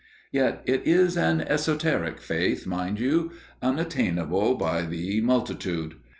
Yet it is an esoteric faith, mind you, unattainable by the multitude.